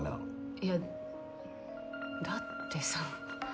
いやだってさ。